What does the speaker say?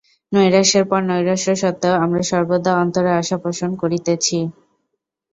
নৈরাশ্যের পর নৈরাশ্য সত্ত্বেও আমরা সর্বদা অন্তরে আশা পোষণ করিতেছি।